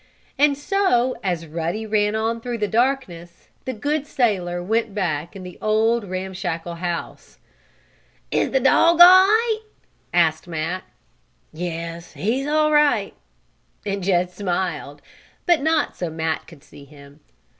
And so, as Ruddy ran on through the darkness, the good sailor went back in the old, ramshackle house. "Is the dog all right?" asked Matt. "Yes, he's all right," and Jed smiled, but not so Matt could see him.